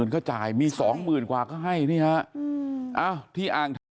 ๕๐๐๐๐ก็จ่ายมี๒๐๐๐๐กว่าก็ให้นี่ฮะ